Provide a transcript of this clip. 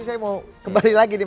saya mau kembali lagi nih